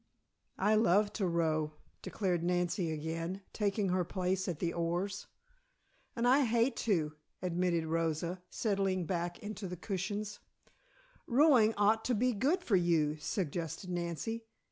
"I love to row," declared Nancy again, taking her place at the oars. "And I hate to," admitted Rosa, settling back in the cushions. "Rowing ought to be good for you," suggested Nancy.